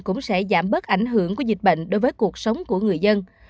cũng sẽ giảm bớt ảnh hưởng của dịch bệnh đối với cuộc sống của người dân